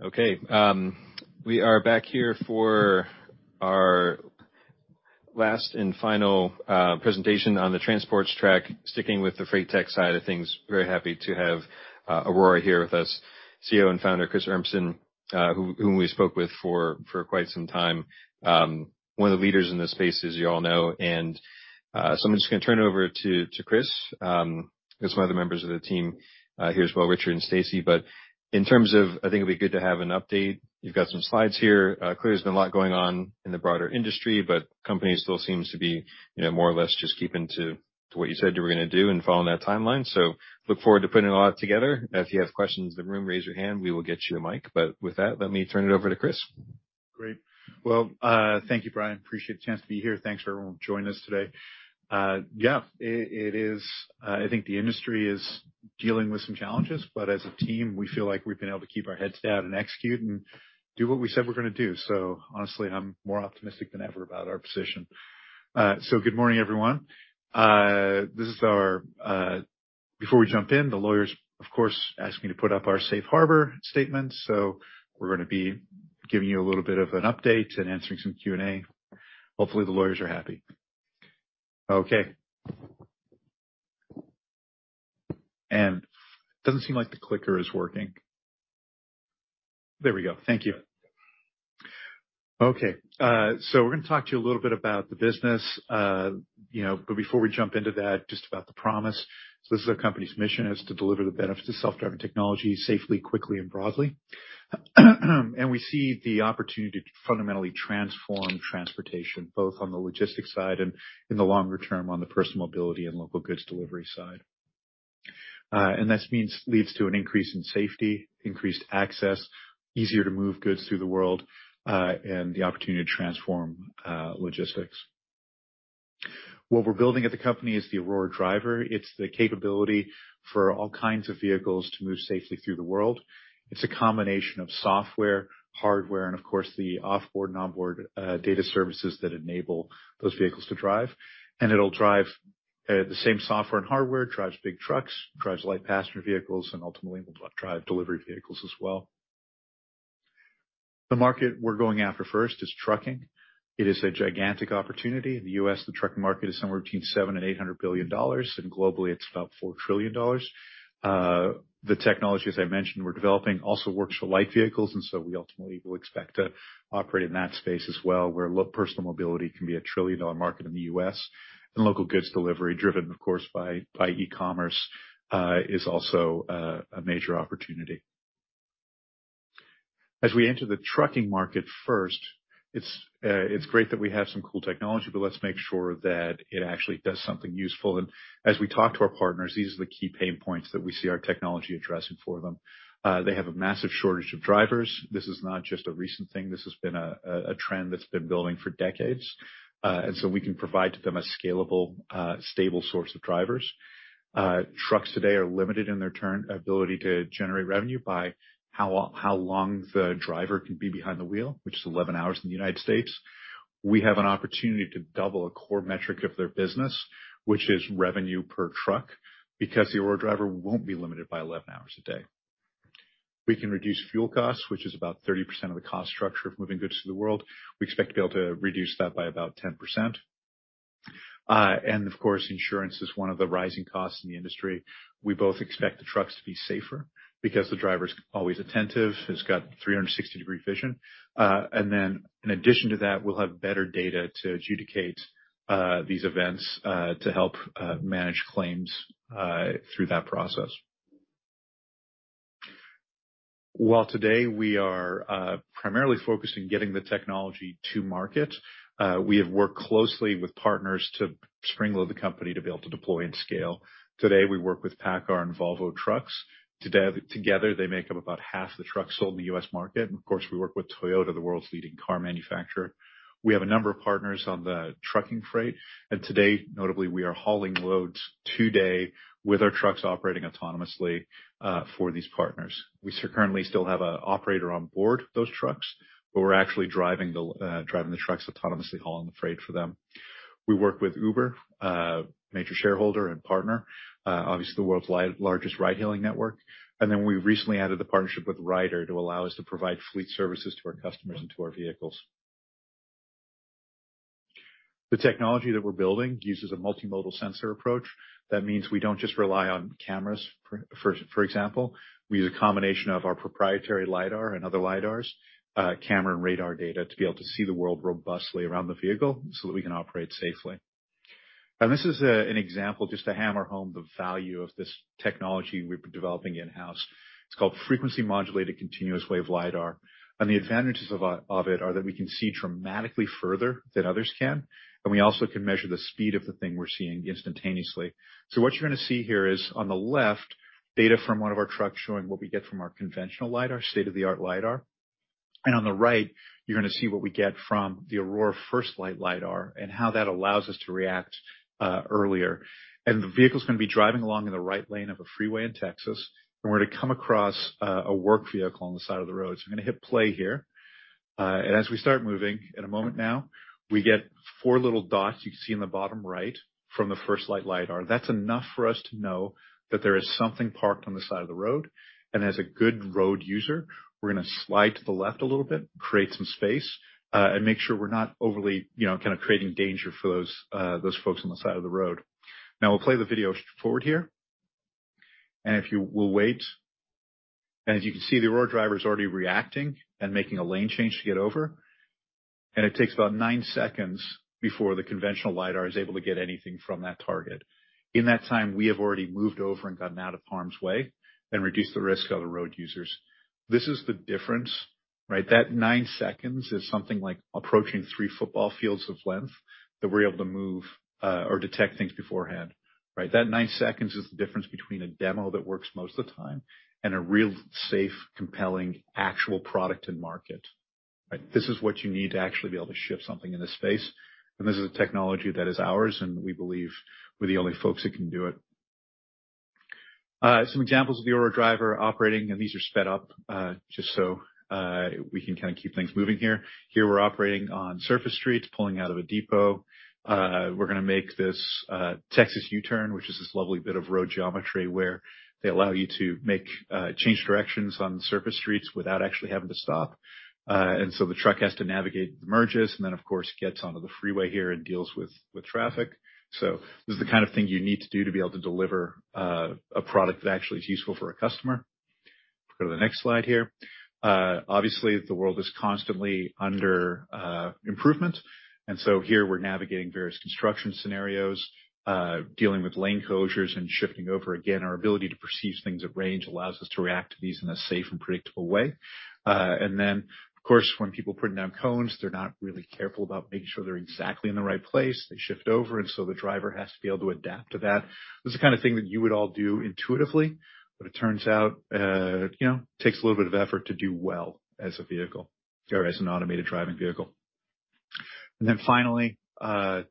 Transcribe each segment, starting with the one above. Okay. We are back here for our last and final presentation on the transports track, sticking with the freight tech side of things. Very happy to have Aurora here with us, CEO and Founder Chris Urmson, who, whom we spoke with for quite some time. One of the leaders in this space, as you all know. So I'm just gonna turn it over to Chris. I guess one of the members of the team here as well, Richard and Stacy. In terms of, I think it'd be good to have an update. You've got some slides here. Clear there's been a lot going on in the broader industry, but company still seems to be, you know, more or less just keeping to what you said you were gonna do and following that timeline. Look forward to putting it all out together. If you have questions in the room, raise your hand, we will get you a mic. With that, let me turn it over to Chris. Great. Well, thank you, Brian. Appreciate the chance to be here. Thanks for everyone joining us today. Yeah, it is, I think the industry is dealing with some challenges, but as a team, we feel like we've been able to keep our heads down and execute and do what we said we're gonna do. Honestly, I'm more optimistic than ever about our position. Good morning, everyone. Before we jump in, the lawyers, of course, asked me to put up our safe harbor statement, we're gonna be giving you a little bit of an update and answering some Q&A. Hopefully, the lawyers are happy. Okay. Doesn't seem like the clicker is working. There we go. Thank you. Okay. We're gonna talk to you a little bit about the business, you know, but before we jump into that, just about the promise. This is our company's mission, is to deliver the benefits of self-driving technology safely, quickly and broadly. We see the opportunity to fundamentally transform transportation, both on the logistics side and in the longer term, on the personal mobility and local goods delivery side. This means, leads to an increase in safety, increased access, easier to move goods through the world, and the opportunity to transform logistics. What we're building at the company is the Aurora Driver. It's the capability for all kinds of vehicles to move safely through the world. It's a combination of software, hardware, and of course, the off-board and onboard data services that enable those vehicles to drive. It'll drive, the same software and hardware, drives big trucks, drives light passenger vehicles, and ultimately, will drive delivery vehicles as well. The market we're going after first is trucking. It is a gigantic opportunity. In the U.S., the trucking market is somewhere between $700 billion and $800 billion, and globally it's about $4 trillion. The technology, as I mentioned, we're developing also works for light vehicles, we ultimately will expect to operate in that space as well, where personal mobility can be a trillion-dollar market in the U.S. Local goods delivery driven, of course, by e-commerce, is also a major opportunity. As we enter the trucking market first, it's great that we have some cool technology, but let's make sure that it actually does something useful. As we talk to our partners, these are the key pain points that we see our technology addressing for them. They have a massive shortage of drivers. This is not just a recent thing. This has been a trend that's been building for decades. We can provide to them a scalable, stable source of drivers. Trucks today are limited in their ability to generate revenue by how long the driver can be behind the wheel, which is 11 hours in the United States. We have an opportunity to double a core metric of their business, which is revenue per truck, because the Aurora Driver won't be limited by 11 hours a day. We can reduce fuel costs, which is about 30% of the cost structure of moving goods through the world. We expect to be able to reduce that by about 10%. Of course, insurance is one of the rising costs in the industry. We both expect the trucks to be safer because the driver's always attentive, has got 360 degree vision. In addition to that, we'll have better data to adjudicate these events to help manage claims through that process. Today, we are primarily focused on getting the technology to market. We have worked closely with partners to spring load the company to be able to deploy and scale. Today, we work with PACCAR and Volvo Trucks. Together, they make up about half the trucks sold in the U.S. market. Of course, we work with Toyota, the world's leading car manufacturer. We have a number of partners on the trucking freight. Today, notably, we are hauling loads today with our trucks operating autonomously for these partners. We currently still have an operator on board those trucks, but we're actually driving the driving the trucks autonomously, hauling the freight for them. We work with Uber, a major shareholder and partner, obviously the world's largest ride-hailing network. We recently added the partnership with Ryder to allow us to provide fleet services to our customers and to our vehicles. The technology that we're building uses a multimodal sensor approach. That means we don't just rely on cameras for example. We use a combination of our proprietary lidar and other lidars, camera and radar data to be able to see the world robustly around the vehicle so that we can operate safely. This is an example, just to hammer home the value of this technology we've been developing in-house. It's called frequency modulated continuous wave lidar. The advantages of it are that we can see dramatically further than others can, and we also can measure the speed of the thing we're seeing instantaneously. What you're gonna see here is on the left, data from one of our trucks showing what we get from our conventional lidar, state-of-the-art lidar. On the right, you're gonna see what we get from the Aurora FirstLight Lidar and how that allows us to react earlier. The vehicle's gonna be driving along in the right lane of a freeway in Texas, and we're to come across a work vehicle on the side of the road. I'm gonna hit play here. As we start moving in a moment now, we get four little dots you can see in the bottom right from the FirstLight Lidar. That's enough for us to know that there is something parked on the side of the road. As a good road user, we're gonna slide to the left a little bit, create some space, and make sure we're not overly, you know, kinda creating danger for those folks on the side of the road. Now, we'll play the video forward here. If you will wait. As you can see, the Aurora Driver is already reacting and making a lane change to get over. It takes about nine seconds before the conventional lidar is able to get anything from that target. In that time, we have already moved over and gotten out of harm's way and reduced the risk of the road users. This is the difference, right? That nine seconds is something like approaching three football fields of length that we're able to move, or detect things beforehand, right? That nine seconds is the difference between a demo that works most of the time and a real safe, compelling, actual product to market, right? This is what you need to actually be able to ship something in this space, and this is a technology that is ours, and we believe we're the only folks that can do it. Some examples of the Aurora Driver operating, and these are sped up, just so we can kinda keep things moving here. Here we're operating on surface streets, pulling out of a depot. We're gonna make this Texas U-turn, which is this lovely bit of road geometry where they allow you to make change directions on surface streets without actually having to stop. The truck has to navigate the merges, and then, of course, gets onto the freeway here and deals with traffic. This is the kind of thing you need to do to be able to deliver a product that actually is useful for a customer. Go to the next slide here. Obviously, the world is constantly under improvement. Here, we're navigating various construction scenarios, dealing with lane closures and shifting over. Again, our ability to perceive things at range allows us to react to these in a safe and predictable way. Of course, when people are putting down cones, they're not really careful about making sure they're exactly in the right place. They shift over, the driver has to be able to adapt to that. This is the kind of thing that you would all do intuitively, but it turns out, you know, takes a little bit of effort to do well as a vehicle or as an automated driving vehicle. Finally, the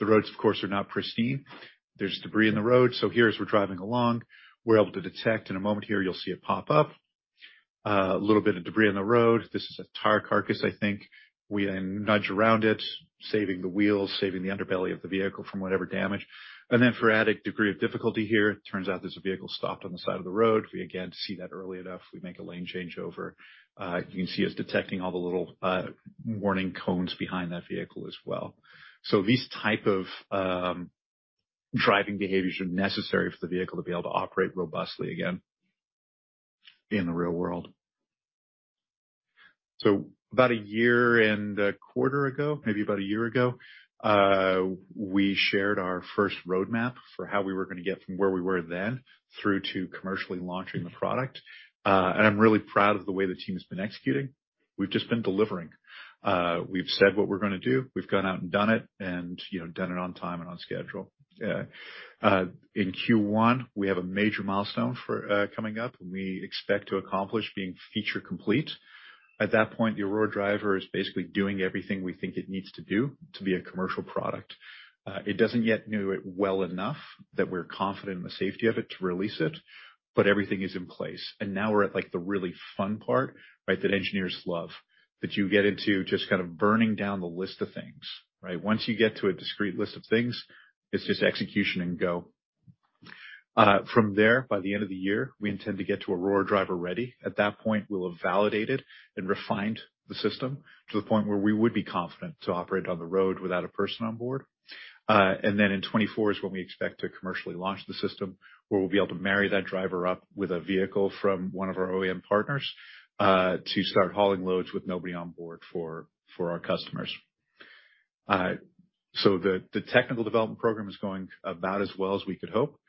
roads, of course, are not pristine. There's debris in the road. Here, as we're driving along, we're able to detect. In a moment here, you'll see it pop up. A little bit of debris on the road. This is a tire carcass, I think. We then nudge around it, saving the wheels, saving the underbelly of the vehicle from whatever damage. For added degree of difficulty here, it turns out there's a vehicle stopped on the side of the road. We again see that early enough. We make a lane change over. You can see us detecting all the little warning cones behind that vehicle as well. These type of driving behaviors are necessary for the vehicle to be able to operate robustly again in the real world. About a year and a quarter ago, maybe about a year ago, we shared our first roadmap for how we were gonna get from where we were then through to commercially launching the product. I'm really proud of the way the team's been executing. We've just been delivering. We've said what we're gonna do. We've gone out and done it and, you know, done it on time and on schedule. In Q1, we have a major milestone for coming up, and we expect to accomplish being Feature Complete. At that point, the Aurora Driver is basically doing everything we think it needs to do to be a commercial product. It doesn't yet know it well enough that we're confident in the safety of it to release it, but everything is in place. Now we're at, like, the really fun part, right, that engineers love, that you get into just kind of burning down the list of things, right? Once you get to a discrete list of things, it's just execution and go. From there, by the end of the year, we intend to get to Aurora Driver Ready. At that point, we'll have validated and refined the system to the point where we would be confident to operate on the road without a person on board. In 2024 is when we expect to commercially launch the system, where we'll be able to marry that Driver up with a vehicle from one of our OEM partners to start hauling loads with nobody on board for our customers. The technical development program is going about as well as we could hope.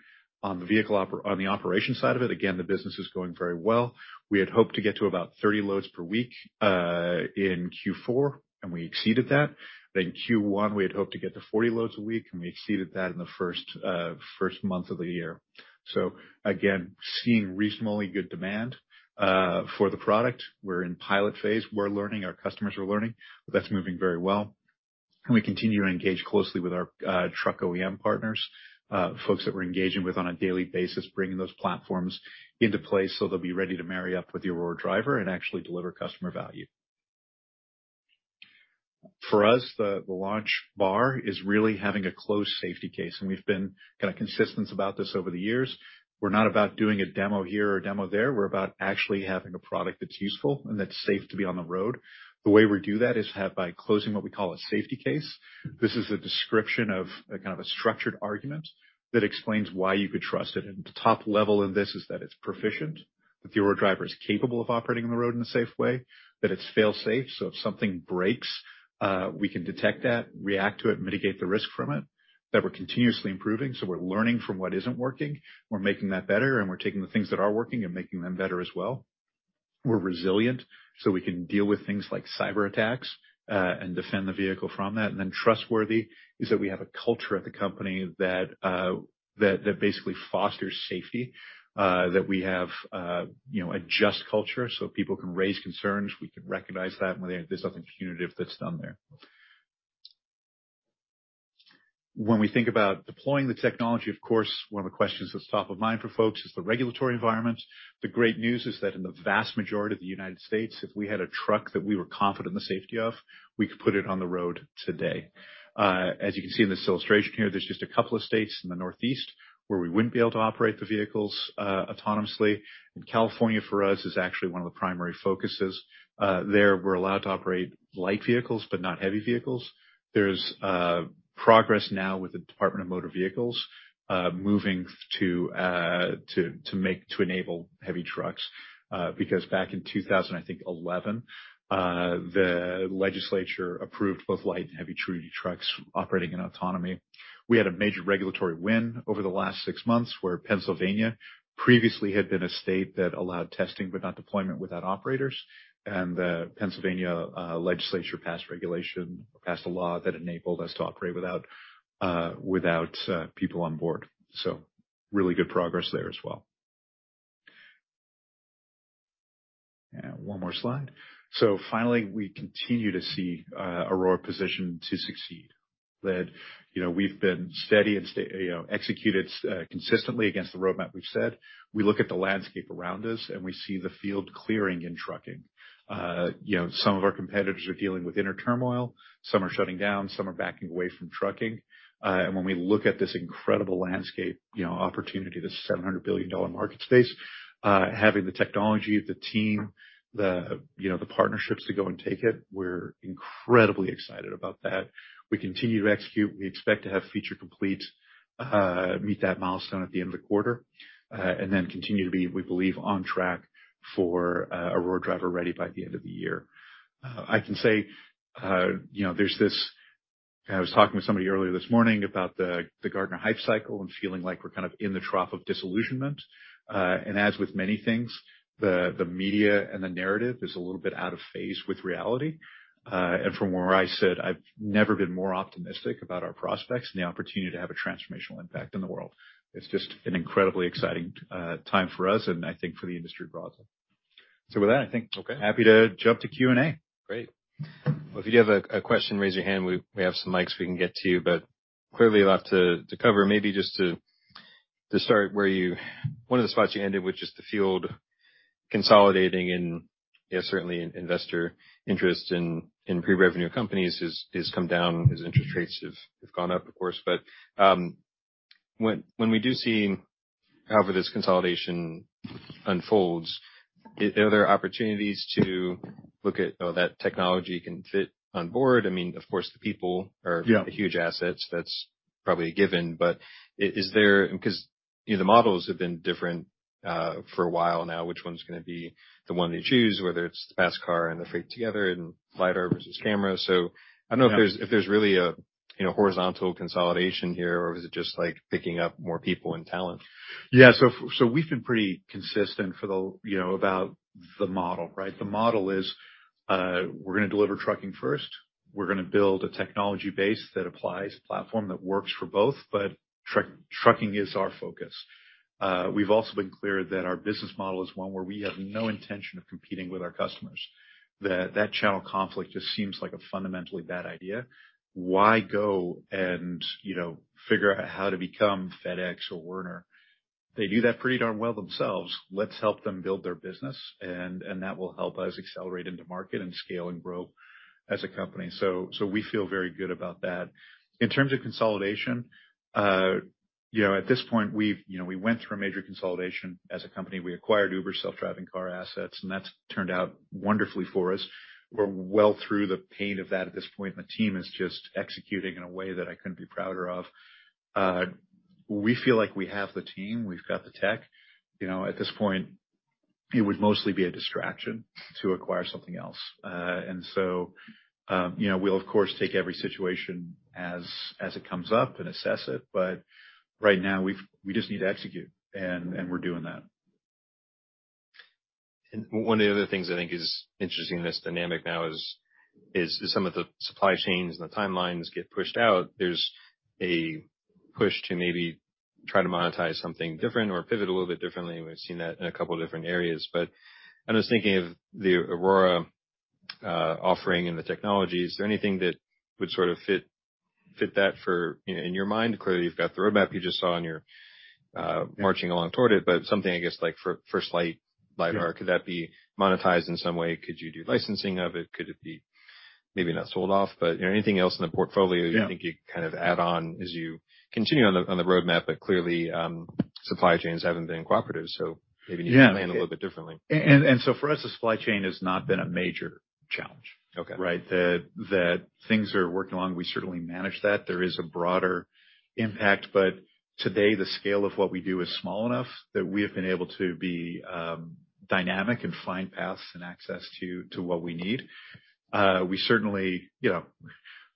On the operations side of it, again, the business is going very well. We had hoped to get to about 30 loads per week in Q4, and we exceeded that. Q1, we had hoped to get to 40 loads a week, and we exceeded that in the first month of the year. Again, seeing reasonably good demand for the product. We're in pilot phase. We're learning, our customers are learning, but that's moving very well. We continue to engage closely with our truck OEM partners, folks that we're engaging with on a daily basis, bringing those platforms into place, so they'll be ready to marry up with the Aurora Driver and actually deliver customer value. For us, the launch bar is really having a closed safety case, and we've been kinda consistent about this over the years. We're not about doing a demo here or a demo there. We're about actually having a product that's useful and that's safe to be on the road. The way we do that is by closing what we call a safety case. This is a description of a kind of a structured argument that explains why you could trust it. The top level in this is that it's proficient, that the Aurora Driver is capable of operating on the road in a safe way, that it's fail-safe, so if something breaks, we can detect that, react to it, mitigate the risk from it, that we're continuously improving, so we're learning from what isn't working. We're making that better, and we're taking the things that are working and making them better as well. We're resilient, so we can deal with things like cyberattacks and defend the vehicle from that. Trustworthy is that we have a culture at the company that basically fosters safety, that we have, you know, a just culture so people can raise concerns. We can recognize that. There's nothing punitive that's done there. When we think about deploying the technology, of course, one of the questions that's top of mind for folks is the regulatory environment. The great news is that in the vast majority of the United States, if we had a truck that we were confident in the safety of, we could put it on the road today. As you can see in this illustration here, there's just a couple of states in the Northeast where we wouldn't be able to operate the vehicles autonomously. In California, for us, is actually one of the primary focuses. There we're allowed to operate light vehicles, but not heavy vehicles. There's progress now with the Department of Motor Vehicles moving to enable heavy trucks because back in 2011, I think, the legislature approved both light and heavy trucks operating in autonomy. We had a major regulatory win over the last six months, where Pennsylvania previously had been a state that allowed testing, but not deployment without operators. The Pennsylvania legislature passed regulation, passed a law that enabled us to operate without people on board. Really good progress there as well. One more slide. Finally, we continue to see Aurora positioned to succeed. That, you know, we've been steady and, you know, executed consistently against the roadmap we've said. We look at the landscape around us, and we see the field clearing in trucking. You know, some of our competitors are dealing with inner turmoil, some are shutting down, some are backing away from trucking. When we look at this incredible landscape, you know, opportunity, this $700 billion market space, having the technology, the team, the, you know, the partnerships to go and take it, we're incredibly excited about that. We continue to execute. We expect to have Feature Complete, meet that milestone at the end of the quarter, and then continue to be, we believe, on track for Aurora Driver Ready by the end of the year. I can say, you know, I was talking with somebody earlier this morning about the Gartner Hype Cycle and feeling like we're kind of in the Trough of Disillusionment. As with many things, the media and the narrative is a little bit out of phase with reality. From where I sit, I've never been more optimistic about our prospects and the opportunity to have a transformational impact in the world. It's just an incredibly exciting time for us and I think for the industry broadly. With that. Okay. happy to jump to Q&A. Great. Well, if you do have a question, raise your hand. We have some mics we can get to you, but clearly a lot to cover. Maybe just to start where you one of the spots you ended, which is the field consolidating and, you know, certainly investor interest in pre-revenue companies has come down as interest rates have gone up, of course. When we do see however this consolidation unfolds, are there opportunities to look at, oh, that technology can fit on board? I mean, of course, the people are. Yeah. The huge assets. That's probably a given. Is there, because, you know, the models have been different for a while now, which one's gonna be the one you choose, whether it's the best car and the freight together and lidar versus camera? I don't know. Yeah. If there's really a, you know, horizontal consolidation here, or is it just, like, picking up more people and talent? We've been pretty consistent for the, you know, about the model, right? The model is, we're gonna deliver trucking first. We're gonna build a technology base that applies, a platform that works for both, trucking is our focus. We've also been clear that our business model is one where we have no intention of competing with our customers, that that channel conflict just seems like a fundamentally bad idea. Why go and, you know, figure out how to become FedEx or Werner? They do that pretty darn well themselves. Let's help them build their business and that will help us accelerate into market and scale and grow as a company. We feel very good about that. In terms of consolidation, you know, at this point, we've, you know, we went through a major consolidation as a company. We acquired Uber's self-driving car assets, that's turned out wonderfully for us. We're well through the pain of that at this point. The team is just executing in a way that I couldn't be prouder of. We feel like we have the team, we've got the tech. You know, at this point, it would mostly be a distraction to acquire something else. You know, we'll of course, take every situation as it comes up and assess it. Right now, we just need to execute, and we're doing that. One of the other things I think is interesting in this dynamic now is some of the supply chains and the timelines get pushed out. There's a push to maybe try to monetize something different or pivot a little bit differently, and we've seen that in a couple different areas. I'm just thinking of the Aurora offering and the technologies. Is there anything that would sort of fit that for, you know, in your mind, clearly, you've got the roadmap you just saw and you're. Yeah. marching along toward it, but something, I guess, like for FirstLight. Sure. lidar. Could that be monetized in some way? Could you do licensing of it? Could it be maybe not sold off, but, you know, anything else in the portfolio. Yeah. -do you think you could kind of add on as you continue on the, on the roadmap? Clearly, supply chains haven't been cooperative, so maybe you Yeah. to plan a little bit differently. For us, the supply chain has not been a major challenge. Okay. Right? The things are working along, we certainly manage that. There is a broader impact, but today, the scale of what we do is small enough that we have been able to be dynamic and find paths and access to what we need. We certainly, you know,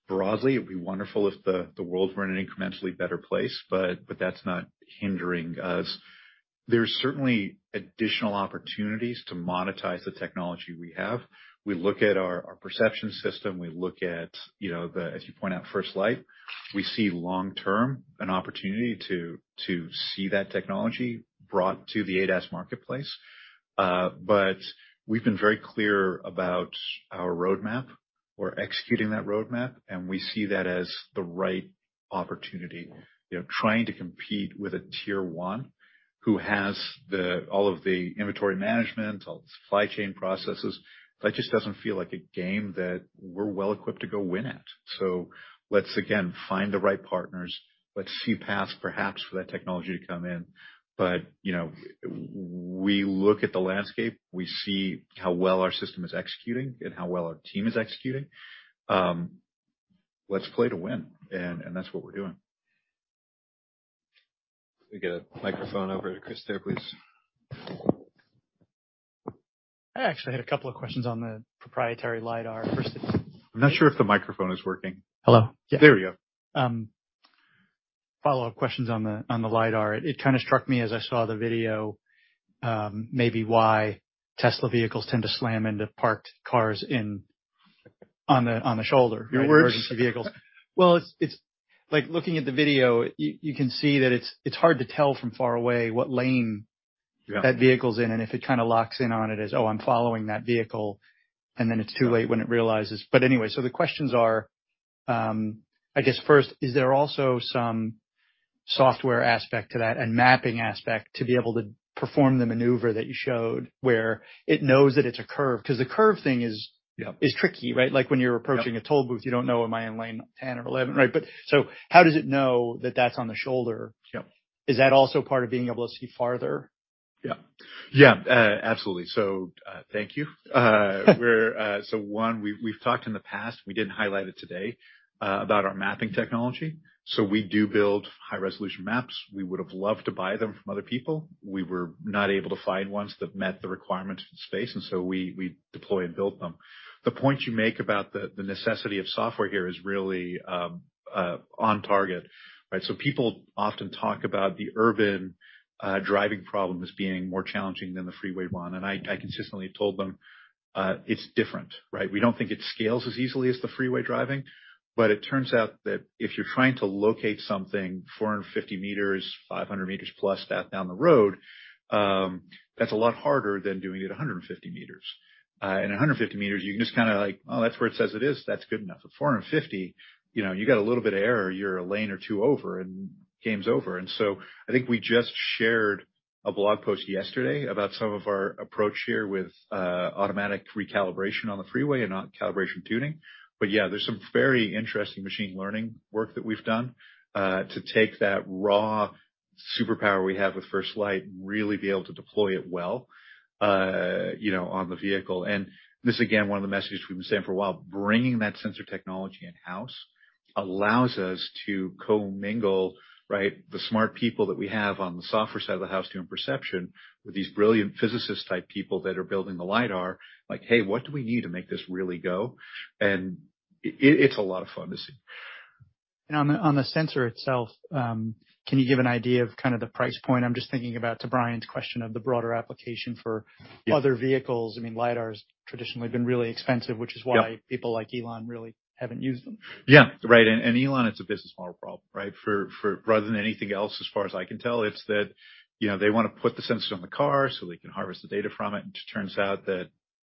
broadly, it'd be wonderful if the world were in an incrementally better place, but that's not hindering us. There's certainly additional opportunities to monetize the technology we have. We look at our perception system. We look at, you know, as you point out, FirstLight. We see long-term an opportunity to see that technology brought to the ADAS marketplace. We've been very clear about our roadmap. We're executing that roadmap, and we see that as the right opportunity. You know, trying to compete with a tier one who has the, all of the inventory management, all the supply chain processes, that just doesn't feel like a game that we're well equipped to go win at. Let's again find the right partners. Let's see paths perhaps for that technology to come in. You know, we look at the landscape, we see how well our system is executing and how well our team is executing. Let's play to win, and that's what we're doing. Can we get a microphone over to Chris there, please? I actually had a couple of questions on the proprietary lidar. I'm not sure if the microphone is working. Hello. Yeah. There we go. Follow-up questions on the, on the lidar. It kind of struck me as I saw the video, maybe why Tesla vehicles tend to slam into parked cars in, on the, on the shoulder. We're- or emergency vehicles. Well, it's like looking at the video, you can see that it's hard to tell from far away what lane- Yeah... that vehicle's in, and if it kinda locks in on it as, oh, I'm following that vehicle, and then it's too late when it realizes. Anyway, the questions are, I guess first, is there also some software aspect to that and mapping aspect to be able to perform the maneuver that you showed where it knows that it's a curve? 'Cause the curve thing. Yeah is tricky, right? Like, when you're approaching a toll booth, you don't know, am I in lane 10 or 11, right? How does it know that that's on the shoulder? Yeah. Is that also part of being able to see farther? Yeah. Absolutely. Thank you. We're, so one, we've talked in the past, we didn't highlight it today, about our mapping technology. We do build high-resolution maps. We would have loved to buy them from other people. We were not able to find ones that met the requirements of the space, and so we deploy and build them. The point you make about the necessity of software here is really on target, right? People often talk about the urban driving problem as being more challenging than the freeway one. I consistently told them, it's different, right? We don't think it scales as easily as the freeway driving, but it turns out that if you're trying to locate something 450 meters, 500 meters plus that down the road, that's a lot harder than doing it 150 meters. 150 meters, you can just kinda like, oh, that's where it says it is. That's good enough. At 450, you know, you got a little bit of error, you're a lane or two over and game's over. I think we just shared a blog post yesterday about some of our approach here with automatic recalibration on the freeway and not calibration tuning. Yeah, there's some very interesting machine learning work that we've done, to take that raw superpower we have with FirstLight and really be able to deploy it well, you know, on the vehicle. This again, one of the messages we've been saying for a while, bringing that sensor technology in-house allows us to co-mingle, right, the smart people that we have on the software side of the house doing perception with these brilliant physicist-type people that are building the lidar. Like, "Hey, what do we need to make this really go?" It's a lot of fun to see. On the sensor itself, can you give an idea of kind of the price point? I'm just thinking about to Brian's question of the broader application. Yeah other vehicles. I mean, lidar has traditionally been really expensive- Yeah... which is why people like Elon really haven't used them. Yeah, right. Elon, it's a business model problem, right? For, rather than anything else, as far as I can tell, it's that, you know, they wanna put the sensors on the car so they can harvest the data from it. It just turns out that,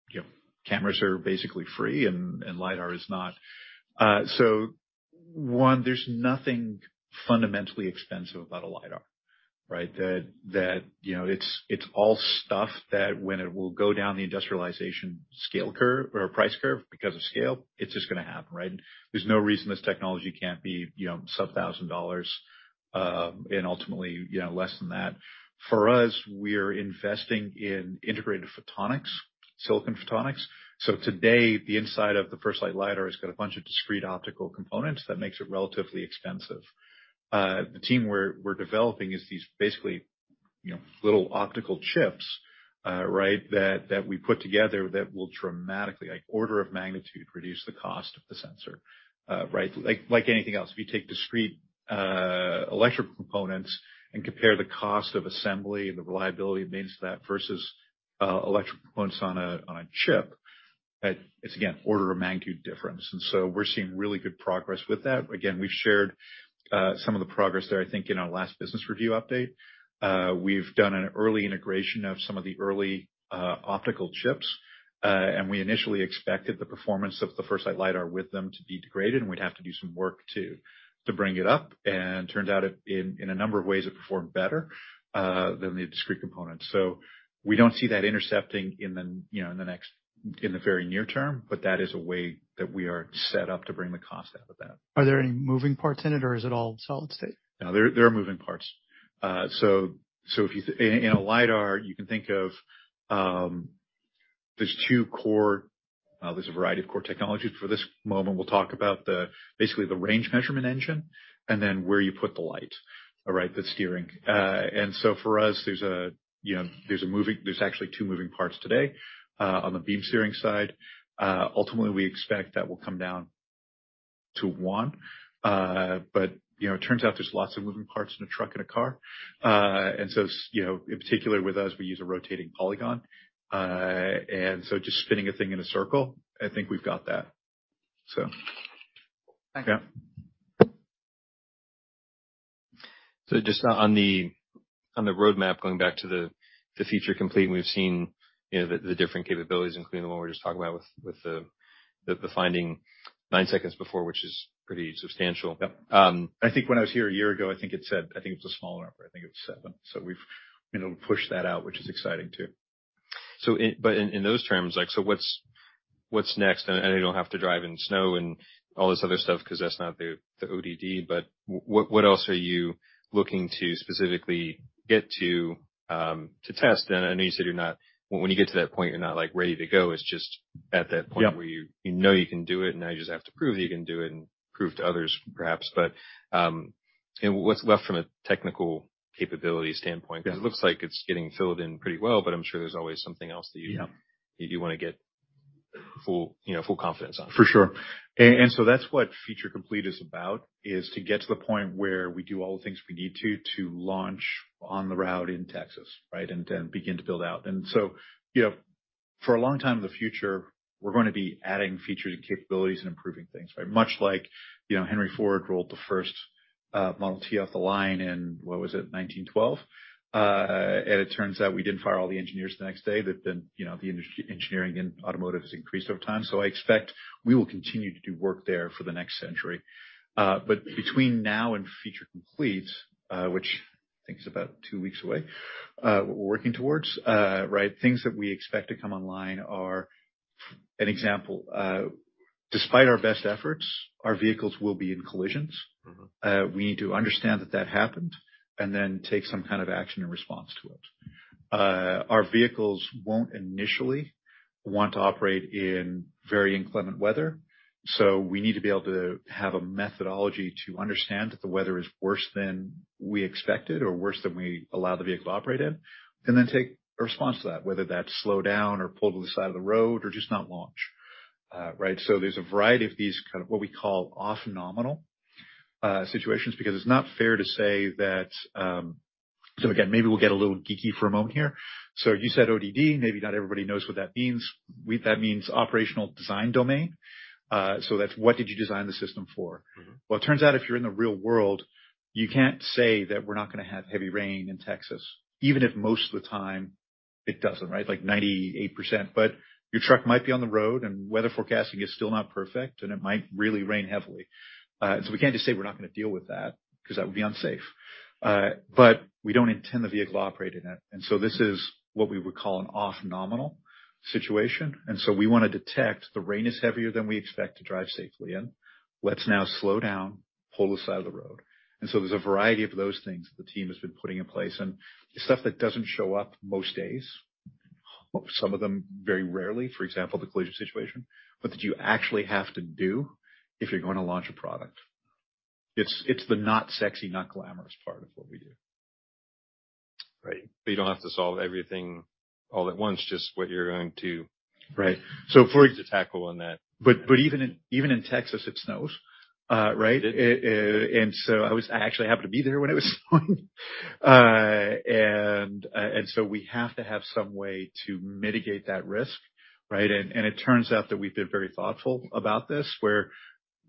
you know, cameras are basically free and lidar is not. One, there's nothing fundamentally expensive about a lidar, right? That, you know, it's all stuff that when it will go down the industrialization scale curve or price curve because of scale, it's just gonna happen, right? There's no reason this technology can't be, you know, sub $1,000, and ultimately, you know, less than that. For us, we're investing in integrated photonics, silicon photonics. Today, the inside of the FirstLight lidar has got a bunch of discrete optical components that makes it relatively expensive. The team we're developing is these basically, you know, little optical chips, right? That we put together that will dramatically, like order of magnitude, reduce the cost of the sensor, right? Like anything else, if you take discrete electric components and compare the cost of assembly and the reliability it means to that versus electric components on a chip, it's again, order of magnitude difference. We're seeing really good progress with that. Again, we've shared, some of the progress there, I think, in our last business review update. We've done an early integration of some of the early optical chips, and we initially expected the performance of the FirstLight Lidar with them to be degraded, and we'd have to do some work to bring it up. Turns out it, in a number of ways, it performed better than the discrete components. We don't see that intercepting in the, you know, in the very near term, but that is a way that we are set up to bring the cost out of that. Are there any moving parts in it or is it all solid state? No, there are moving parts. If you in a lidar, you can think of, there's two core, there's a variety of core technologies. For this moment, we'll talk about the, basically the range measurement engine and then where you put the light, all right? The steering. For us, you know, there's actually two moving parts today on the beam steering side. Ultimately, we expect that will come down to one. You know, it turns out there's lots of moving parts in a truck and a car. You know, in particular with us, we use a rotating polygon. Just spinning a thing in a circle, I think we've got that. Thank you. Just on the roadmap, going back to the Feature Complete, we've seen, you know, the different capabilities, including the one we're just talking about with the finding nine seconds before, which is pretty substantial. Yep. I think when I was here a year ago, I think it's a smaller number. I think it was seven. We've, you know, pushed that out, which is exciting too. In those terms, like, what's next? I know you don't have to drive in snow and all this other stuff 'cause that's not the ODD. What else are you looking to specifically get to test? I know you said when you get to that point, you're not, like, ready to go. It's just at that point- Yep. -where you know you can do it, now you just have to prove that you can do it and prove to others perhaps. What's left from a technical capability standpoint? Yeah. 'Cause it looks like it's getting filled in pretty well, but I'm sure there's always something else. Yeah. you wanna get full, you know, full confidence on. For sure. That's what Feature Complete is about, is to get to the point where we do all the things we need to launch on the route in Texas, right? Begin to build out. You know, for a long time in the future we're gonna be adding features and capabilities and improving things, right? Much like, you know, Henry Ford rolled the first Model T off the line in, what was it, 1912. It turns out we didn't fire all the engineers the next day, that then, you know, the engineering in automotive has increased over time. I expect we will continue to do work there for the next century. Between now and Feature Complete, which I think is about two weeks away, what we're working towards, right, things that we expect to come online are, an example, despite our best efforts, our vehicles will be in collisions. Mm-hmm. We need to understand that that happened and then take some kind of action in response to it. Our vehicles won't initially want to operate in very inclement weather, so we need to be able to have a methodology to understand that the weather is worse than we expected or worse than we allow the vehicle to operate in, and then take a response to that, whether that's slow down or pull to the side of the road or just not launch. Right? There's a variety of these kind of what we call off-nominal situations because it's not fair to say that. Again, maybe we'll get a little geeky for a moment here. You said ODD, maybe not everybody knows what that means. That means operational design domain. That's what did you design the system for. Mm-hmm. It turns out if you're in the real world, you can't say that we're not gonna have heavy rain in Texas, even if most of the time it doesn't, right? Like 98%. Your truck might be on the road and weather forecasting is still not perfect, and it might really rain heavily. We can't just say we're not gonna deal with that 'cause that would be unsafe. We don't intend the vehicle to operate in that. This is what we would call an off-nominal situation. We wanna detect the rain is heavier than we expect to drive safely in. Let's now slow down, pull to the side of the road. There's a variety of those things the team has been putting in place. It's stuff that doesn't show up most days, some of them very rarely, for example, the collision situation. That you actually have to do if you're going to launch a product. It's, it's the not sexy, not glamorous part of what we do. Right. You don't have to solve everything all at once, just what you're going to. Right. need to tackle on that. Even in Texas, it snows. Right? It does. I actually happened to be there when it was snowing. We have to have some way to mitigate that risk, right? It turns out that we've been very thoughtful about this, where,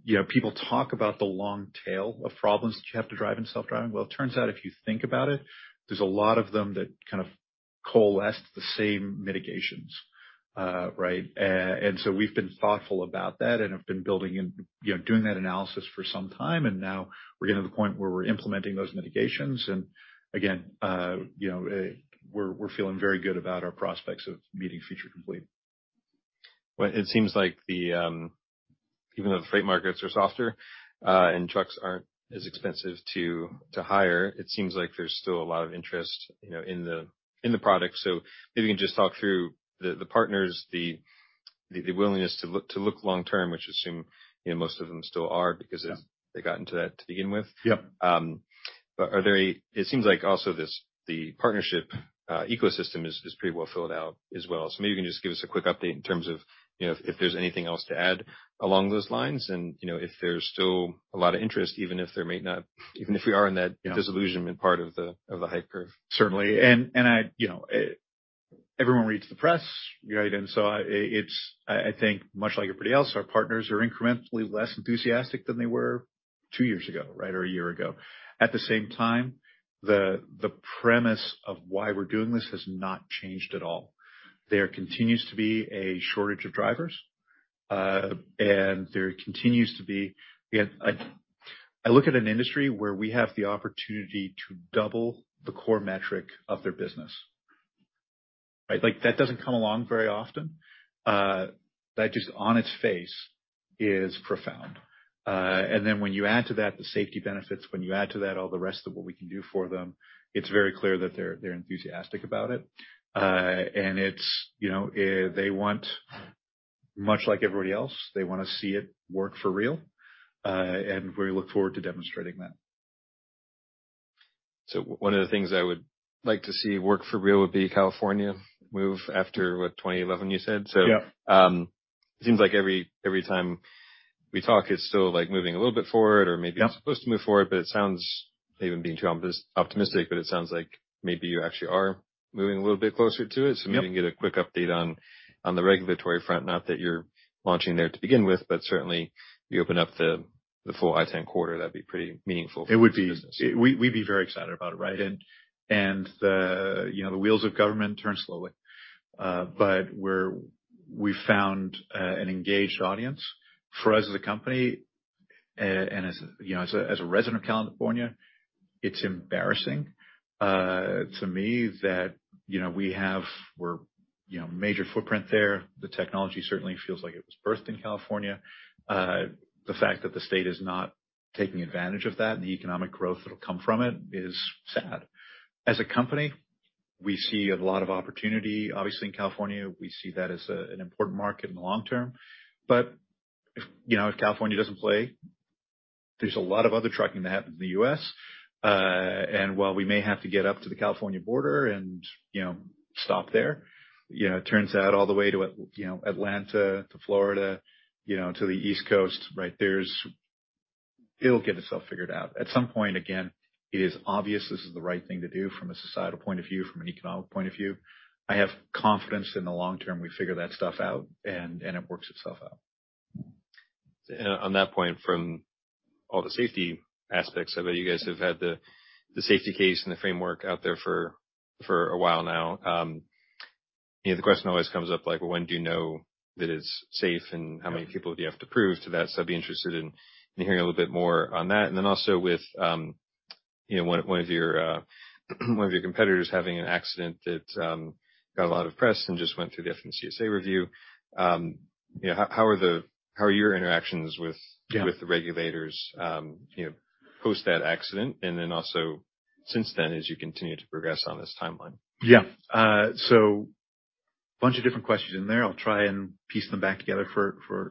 you know, people talk about the long tail of problems that you have to drive in self-driving. Well, it turns out, if you think about it, there's a lot of them that kind of coalesce the same mitigations, right? We've been thoughtful about that and have been building and, you know, doing that analysis for some time. Now we're getting to the point where we're implementing those mitigations. Again, you know, we're feeling very good about our prospects of meeting Feature Complete. Well, it seems like the, even though the freight markets are softer, and trucks aren't as expensive to hire, it seems like there's still a lot of interest, you know, in the product. Maybe you can just talk through the partners, the willingness to look long-term, which I assume, you know, most of them still are because. Yeah. They got into that to begin with. Yep. It seems like also the partnership ecosystem is pretty well filled out as well. Maybe you can just give us a quick update in terms of, you know, if there's anything else to add along those lines and, you know, if there's still a lot of interest, even if there even if we are in that disillusionment part of the hype curve. Certainly. I, you know, everyone reads the press, right? I, it's I think much like everybody else, our partners are incrementally less enthusiastic than they were two years ago, right, or one year ago. At the same time, the premise of why we're doing this has not changed at all. There continues to be a shortage of drivers, and there continues to be. Again, I look at an industry where we have the opportunity to double the core metric of their business, right? Like, that doesn't come along very often. That just on its face is profound. Then when you add to that the safety benefits, when you add to that all the rest of what we can do for them, it's very clear that they're enthusiastic about it. It's, you know, they want, much like everybody else, they wanna see it work for real. We look forward to demonstrating that. One of the things I would like to see work for real would be California move after, what, 2011 you said? Yeah. It seems like every time we talk, it's still, like, moving a little bit forward or maybe- Yeah. it's supposed to move forward, but it sounds maybe I'm being too optimistic, but it sounds like maybe you actually are, moving a little bit closer to it. Yep. We can get a quick update on the regulatory front. Not that you're launching there to begin with, certainly you open up the full I-10 quarter, that'd be pretty meaningful. It would be. We'd be very excited about it, right? You know, the wheels of government turn slowly. We found an engaged audience for us as a company and as, you know, as a, as a resident of California, it's embarrassing to me that, you know, we're, you know, major footprint there. The technology certainly feels like it was birthed in California. The fact that the state is not taking advantage of that and the economic growth that'll come from it is sad. As a company, we see a lot of opportunity. Obviously, in California, we see that as a, an important market in the long term. If, you know, if California doesn't play, there's a lot of other trucking that happens in the U.S. While we may have to get up to the California border and, you know, stop there, you know, it turns out all the way to, you know, Atlanta to Florida, you know, to the East Coast. It'll get itself figured out. At some point, again, it is obvious this is the right thing to do from a societal point of view, from an economic point of view. I have confidence in the long term we figure that stuff out and it works itself out. On that point, from all the safety aspects of it, you guys have had the safety case and the framework out there for a while now. You know, the question always comes up like, when do you know that it's safe? Yeah. How many people do you have to prove to that? I'd be interested in hearing a little bit more on that. Also with, you know, one of, one of your, one of your competitors having an accident that, got a lot of press and just went through the FMCSA review. You know, how are your interactions with... Yeah. With the regulators, you know, post that accident, then also since then, as you continue to progress on this timeline? Yeah. Bunch of different questions in there. I'll try and piece them back together. The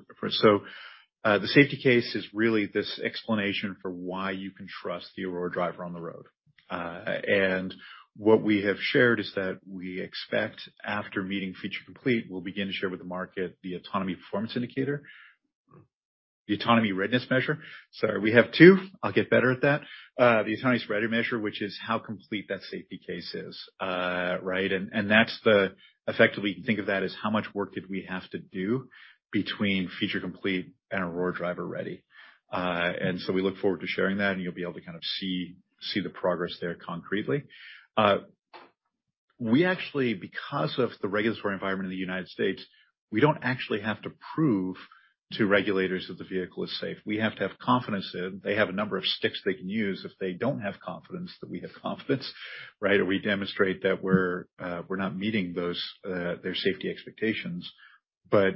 safety case is really this explanation for why you can trust the Aurora Driver on the road. What we have shared is that we expect after meeting Feature Complete, we'll begin to share with the market the Autonomy Performance Indicator, the Autonomy Readiness Measure. Sorry, we have two. I'll get better at that. The Autonomy Readiness Measure, which is how complete that safety case is, right? That's effectively, think of that as how much work did we have to do between Feature Complete and Aurora Driver Ready. We look forward to sharing that, and you'll be able to kind of see the progress there concretely. We actually, because of the regulatory environment in the United States, we don't actually have to prove to regulators that the vehicle is safe. We have to have confidence in it. They have a number of sticks they can use if they don't have confidence that we have confidence, right? We demonstrate that we're not meeting those their safety expectations. You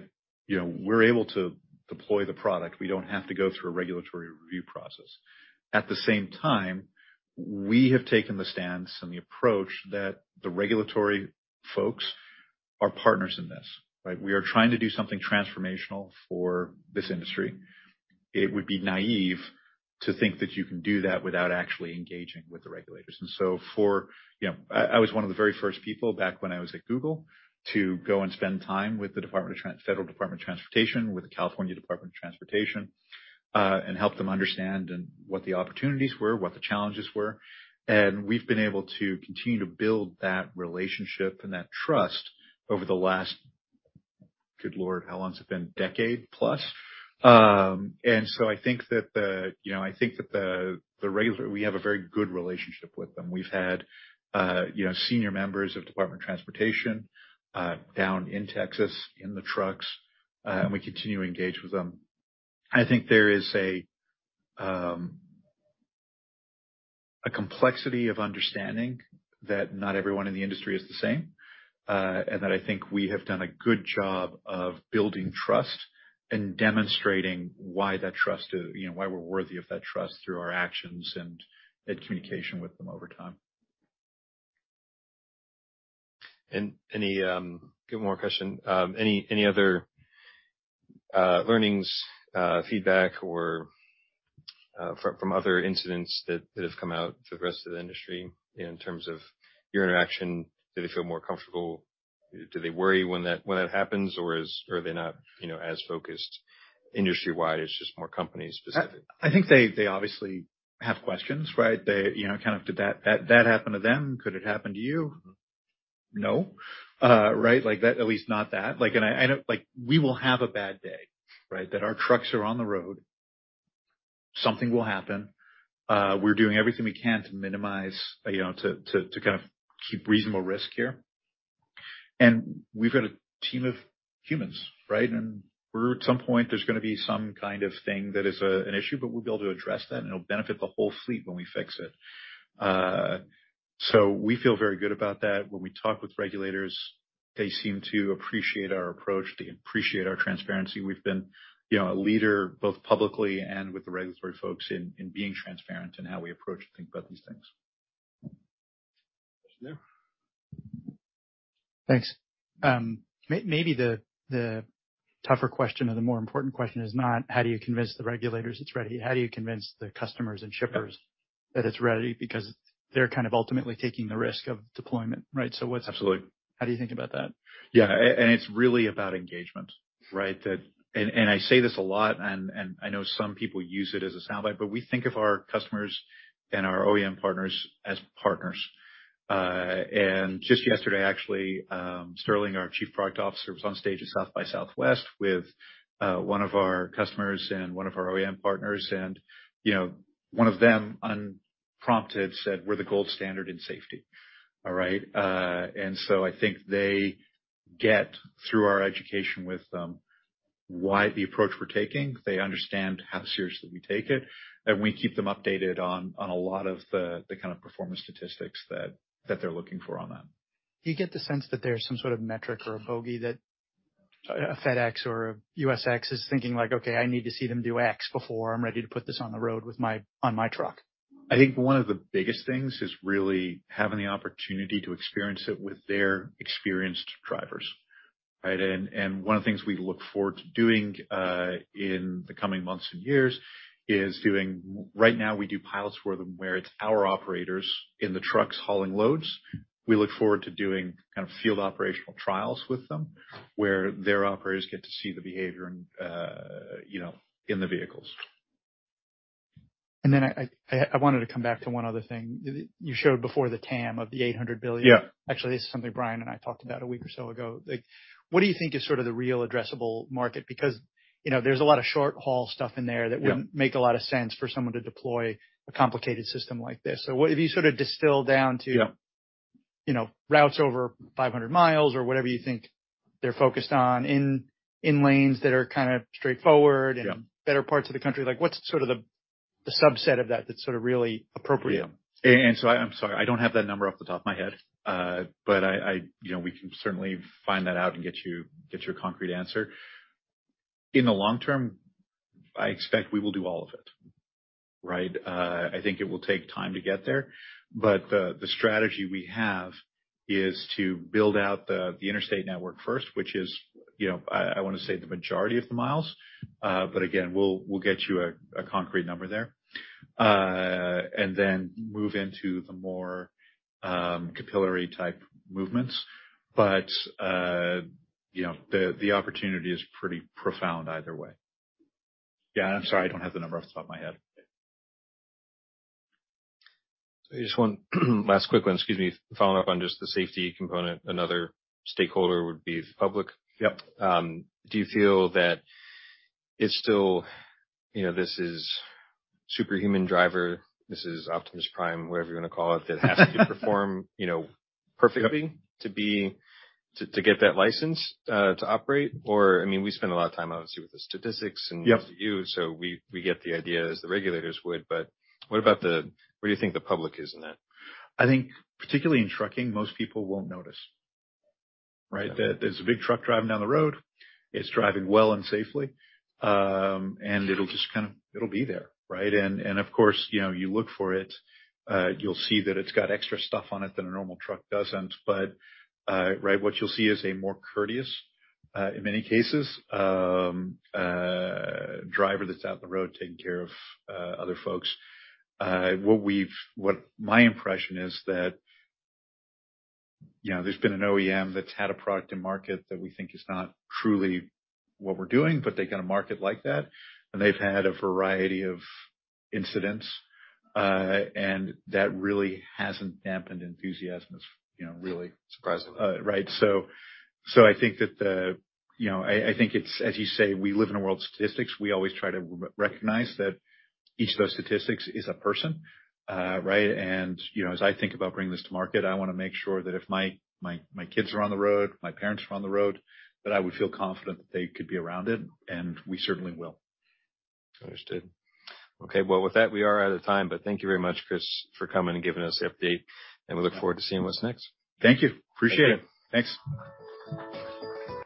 know, we're able to deploy the product. We don't have to go through a regulatory review process. At the same time, we have taken the stance and the approach that the regulatory folks are partners in this, right? We are trying to do something transformational for this industry. It would be naive to think that you can do that without actually engaging with the regulators. You know, I was one of the very first people back when I was at Google to go and spend time with the U.S. Department of Transportation, with the California Department of Transportation, and help them understand, and what the opportunities were, what the challenges were. We've been able to continue to build that relationship and that trust over the last, good Lord, how long has it been? Decade plus. I think that the, you know, we have a very good relationship with them. We've had, you know, senior members of U.S. Department of Transportation down in Texas in the trucks, and we continue to engage with them. I think there is a complexity of understanding that not everyone in the industry is the same, and that I think we have done a good job of building trust and demonstrating why that trust is, you know, why we're worthy of that trust through our actions and communication with them over time. Any, one more question. Any other learnings, feedback or from other incidents that have come out to the rest of the industry in terms of your interaction? Do they feel more comfortable? Do they worry when that happens or are they not, you know, as focused industry-wide, it's just more company-specific? I think they obviously have questions, right? They, you know, kind of did that happen to them. Could it happen to you? No. Right, at least not that. I know, like, we will have a bad day, right? That our trucks are on the road, something will happen. We're doing everything we can to minimize, you know, to kind of keep reasonable risk here. We've got a team of humans, right? At some point, there's gonna be some kind of thing that is an issue, but we'll be able to address that, and it'll benefit the whole fleet when we fix it. We feel very good about that. When we talk with regulators, they seem to appreciate our approach. They appreciate our transparency. We've been, you know, a leader both publicly and with the regulatory folks in being transparent in how we approach and think about these things. Thanks. Maybe the tougher question or the more important question is not how do you convince the regulators it's ready? How do you convince the customers and shippers... Yeah. That it's ready because they're kind of ultimately taking the risk of deployment, right? Absolutely. How do you think about that? Yeah. It's really about engagement, right? I say this a lot, and I know some people use it as a soundbite, but we think of our customers and our OEM partners as partners. Just yesterday, actually, Sterling, our Chief Product Officer, was on stage at South by Southwest with one of our customers and one of our OEM partners. You know, one of them, unprompted, said, "We're the gold standard in safety." All right? I think they get, through our education with them, why the approach we're taking. They understand how seriously we take it, and we keep them updated on a lot of the kind of performance statistics that they're looking for on that. Do you get the sense that there's some sort of metric or a bogey that a FedEx or a U.S. X is thinking like, "Okay, I need to see them do X before I'm ready to put this on the road on my truck? I think one of the biggest things is really having the opportunity to experience it with their experienced drivers, right? One of the things we look forward to doing in the coming months and years. Right now, we do pilots for them where it's our operators in the trucks hauling loads. We look forward to doing kind of field operational trials with them, where their operators get to see the behavior and, you know, in the vehicles. I wanted to come back to one other thing. You showed before the TAM of the $800 billion. Yeah. Actually, this is something Brian and I talked about a week or so ago. Like, what do you think is sort of the real addressable market? You know, there's a lot of short haul stuff in there. Yeah. that wouldn't make a lot of sense for someone to deploy a complicated system like this. What if you sort of distill down to... Yeah. you know, routes over 500 miles or whatever you think they're focused on in lanes that are kinda straightforward. Yeah. better parts of the country, like, what's sort of the subset of that that's sort of really appropriate? Yeah. I'm sorry, I don't have that number off the top of my head. You know, we can certainly find that out and get you, get you a concrete answer. In the long term, I expect we will do all of it, right? I think it will take time to get there, but the strategy we have is to build out the interstate network first, which is, you know, I wanna say the majority of the miles. Again, we'll get you a concrete number there. Then move into the more capillary-type movements. You know, the opportunity is pretty profound either way. Yeah, I'm sorry, I don't have the number off the top of my head. Just one last quick one, excuse me. Following up on just the safety component, another stakeholder would be the public. Yep. Do you feel that it's still, you know, this is superhuman driver, this is Optimus Prime, whatever you wanna call it, that has to perform, you know, perfectly? Yep. to get that license to operate? I mean, we spend a lot of time, obviously, with the statistics and. Yep. -with you, so we get the idea as the regulators would. What about where do you think the public is in that? I think particularly in trucking, most people won't notice, right? There, there's a big truck driving down the road. It's driving well and safely. It'll be there, right? Of course, you know, you look for it. You'll see that it's got extra stuff on it than a normal truck doesn't. Right, what you'll see is a more courteous, in many cases, driver that's out in the road taking care of, other folks. What my impression is that, you know, there's been an OEM that's had a product to market that we think is not truly what we're doing, but they're gonna market like that. They've had a variety of incidents, and that really hasn't dampened enthusiasm, you know, really. Surprisingly. Right. I think that You know, I think it's as you say, we live in a world of statistics. We always try to recognize that each of those statistics is a person, right? You know, as I think about bringing this to market, I wanna make sure that if my kids are on the road, my parents are on the road, that I would feel confident that they could be around it, and we certainly will. Understood. Okay. With that, we are out of time, but thank you very much, Chris, for coming and giving us the update, and we look forward to seeing what's next. Thank you. Appreciate it. Thank you. Thanks.